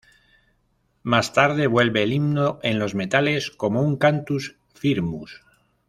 Más tarde vuelve el himno en los metales, como un cantus firmus.